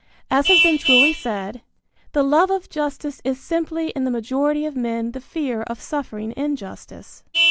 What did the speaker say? As has been truly said: "The love of justice is simply in the majority of men the fear of suffering injustice."